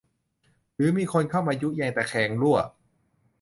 หรือมีคนเข้ามายุแยงตะแคงรั่ว